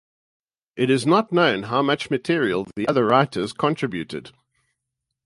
It is not known how much material the other writers contributed.